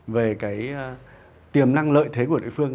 về cái tiềm năng lợi thế của địa phương